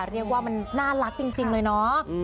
เรียกว่ามันน่ารักจริงเลยเนาะ